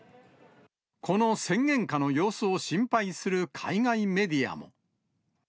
この宣言下の様子を心配する海外メディアも。